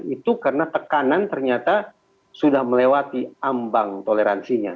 itu karena tekanan ternyata sudah melewati ambang toleransinya